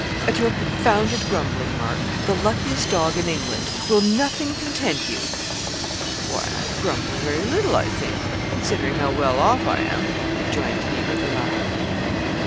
'At your confounded grumbling, Mark. The luckiest dog in England! Will nothing content you?' 'Why, I grumble very little, I think, considering how well off I am,' rejoined he, with a laugh.